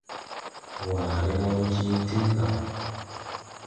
Waare raw je tiŋ ga.